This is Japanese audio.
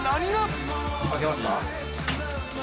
開けますか？